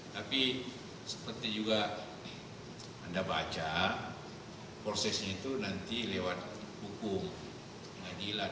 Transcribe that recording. tapi seperti juga anda baca prosesnya itu nanti lewat hukum pengadilan